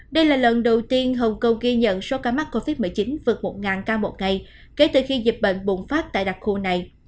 đây là lần đầu tiên hồng kông ghi nhận số ca mắc covid một mươi chín vượt một ca một ngày kể từ khi dịch bệnh bùng phát tại đặc khu này